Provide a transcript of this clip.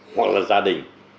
hoặc là gia đình